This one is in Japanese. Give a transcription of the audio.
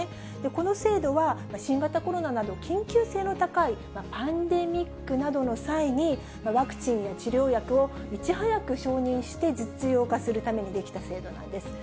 この制度は、新型コロナなど緊急性の高いパンデミックなどの際に、ワクチンや治療薬をいち早く承認して、実用化するために出来た制度なんです。